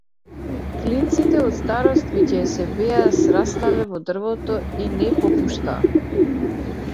Клинците од старост веќе се беа сраснале во дрвото и не попуштаа.